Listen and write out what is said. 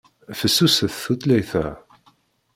Fessuset tutlayt-a.